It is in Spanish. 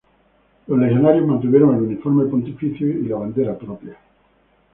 Los legionarios mantuvieron el uniforme pontificio y la bandera propia.